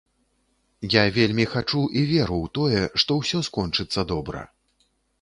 Я вельмі хачу і веру ў тое, што ўсё скончыцца добра.